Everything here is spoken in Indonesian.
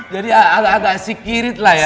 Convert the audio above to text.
jadi agak agak sikirit lah ya